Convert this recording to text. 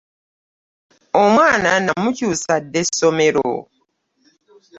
Omwana namukyusa dda essomero.